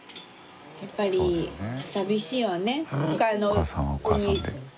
お母さんはお母さんで。